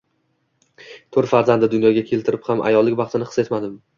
To`rt farzandni dunyoga keltirib ham ayollik baxtini his etmadim